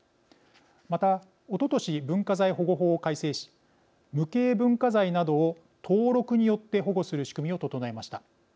また、おととし文化財保護法を改正し無形文化財などを登録によって保護する仕組みを整えました。